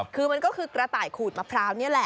คือมันก็คือกระต่ายขูดมะพร้าวนี่แหละ